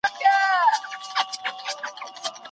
بڼوال په اوږه باندي ګڼ توکي نه دي راوړي.